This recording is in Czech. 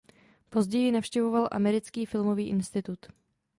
Později navštěvoval Americký filmový institut.